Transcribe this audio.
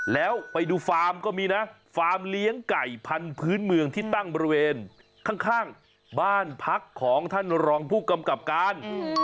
แล้วไปดูฟาร์มก็มีนะฟาร์มเลี้ยงไก่พันธุ์เมืองที่ตั้งบริเวณข้างบ้านพักของท่านรองผู้กำกับการ